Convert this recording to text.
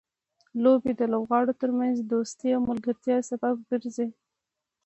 لوبې د لوبغاړو ترمنځ دوستۍ او ملګرتیا سبب ګرځي.